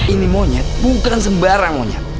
ini monyet bukan sembarang monyet